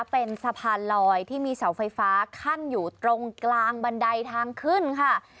เป็นสะพานลอยที่มีเสาไฟฟ้าขั้นอยู่ตรงกลางบันไดทางขึ้นค่ะ